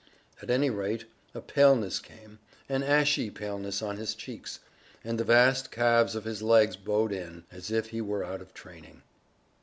At any rate, a paleness came, an ashy paleness on his cheeks, and the vast calves of his legs bowed in, as if he were out of training.